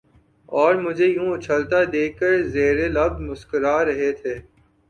اور مجھے یوں اچھلتا دیکھ کر زیرلب مسکرا رہے تھے